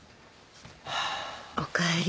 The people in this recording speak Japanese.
おかえり。